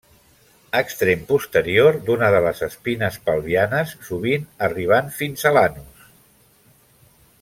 Extrem posterior d'una de les espines pelvianes sovint arribant fins a l'anus.